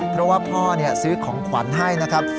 เพราะว่าพ่อซื้อของขวัญให้นะครับ